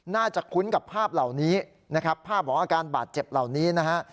คุ้นกับภาพเหล่านี้นะครับภาพของอาการบาดเจ็บเหล่านี้นะฮะ